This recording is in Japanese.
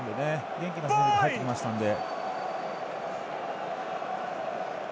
元気な選手が入ってきましたので。